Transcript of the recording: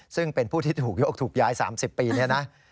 ซึ่งเป็นผู้ที่ถูกยกถูกย้าย๓๐ปีเนี่ยนะ